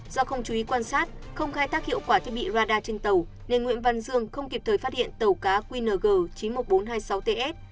do không chú ý quan sát không khai tác hiệu quả thiết bị radar trên tàu nên nguyễn văn dương không kịp thời phát hiện tàu cá qng chín mươi một nghìn bốn trăm hai mươi sáu ts